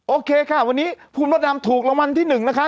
โอเคค่ะวันนี้ภูมิลัทนามถูกรางวัลที่๑นะคะ